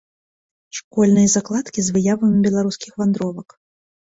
Школьныя закладкі з выявамі беларускіх вандровак.